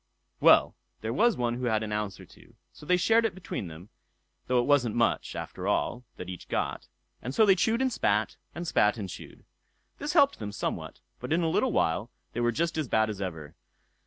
Well! there was one who had an ounce or two; so they shared it between them, though it wasn't much, after all, that each got; and so they chewed and spat, and spat and chewed. This helped them somewhat; but in a little while they were just as bad as ever.